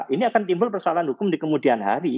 ini akan timbul persoalan hukum di kemudian hari